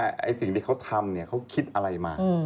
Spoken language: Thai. โดยเฉพาะสิ่งที่เขาทำเขาคิดอะไรมา